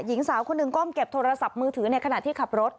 หญิงสาวคนหนึ่งก้มเก็บโทรศัพท์มือถือในขณะที่ขับรถ